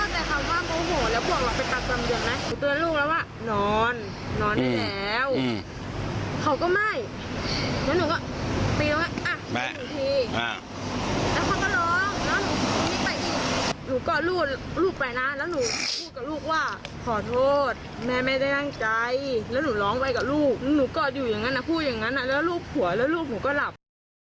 พูดอย่างงั้นอ่ะแล้วลูกหัวแล้วลูกหนูก็หลับ